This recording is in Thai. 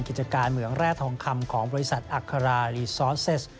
กิจการเมืองแร่ทองคำของบริษัทอัครารีซอสเซส